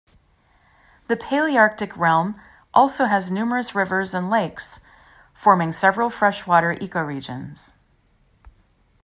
The Palaearctic realm also has numerous rivers and lakes, forming several freshwater ecoregions.